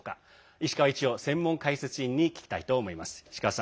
石川一洋専門解説委員に聞きたいと思います。